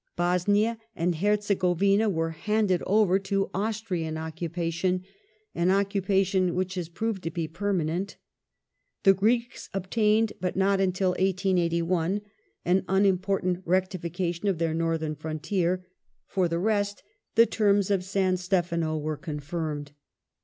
Bosnia and Herze govina were handed over to Austrian occupation — an occupation which has proved to be permanent. The Greeks obtained (but not until 1881) an unimportant rectification of their Northern frontier. For the rest, the terms of San Stefano were confirmed.